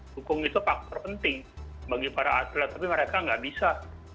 dukung itu faktor penting bagi para atlet tapi mereka nggak bisa